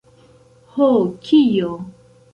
Ho kio?